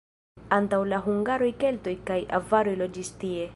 Antaŭ la hungaroj keltoj kaj avaroj loĝis tie.